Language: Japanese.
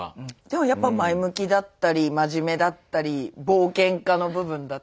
でもやっぱ前向きだったり真面目だったり冒険家の部分だったり。